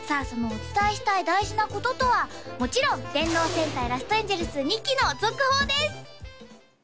そのお伝えしたい大事なこととはもちろん「電脳戦隊ラストエンジェルス」２期の続報です！